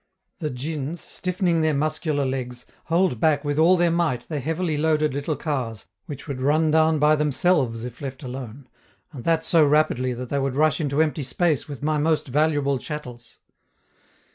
The djins, stiffening their muscular legs, hold back with all their might the heavily loaded little cars which would run down by themselves if let alone, and that so rapidly that they would rush into empty space with my most valuable chattels.